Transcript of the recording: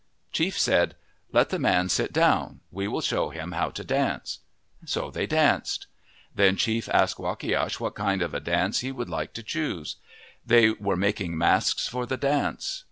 Chief said, "Let the man sit down. We will show him how to dance." So they danced. Then Chief asked Wakiash what kind of a dance he would like to choose. They were using masks for the dance.